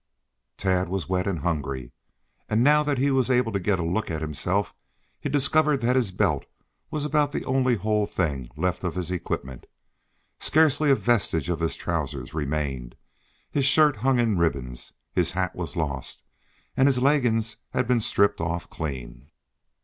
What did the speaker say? Tad was wet and hungry, and now that he was able to get a look at himself, he discovered that his belt was about the only whole thing left of his equipment. Scarcely a vestige of his trousers remained; his shirt hung in ribbons, his hat was lost and his leggins had been stripped off clean.